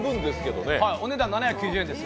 お値段７９０円です。